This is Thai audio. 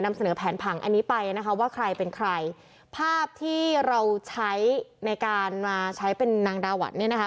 เสนอแผนผังอันนี้ไปนะคะว่าใครเป็นใครภาพที่เราใช้ในการมาใช้เป็นนางดาหวัดเนี่ยนะคะ